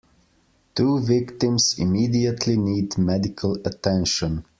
Two victims immediately need medical attention.